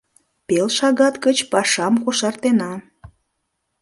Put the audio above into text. Пел шагат гыч пашам кошартена.